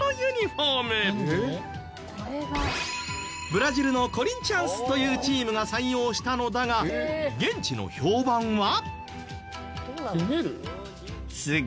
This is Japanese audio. ブラジルのコリンチャンスというチームが採用したのだが現地の評判は。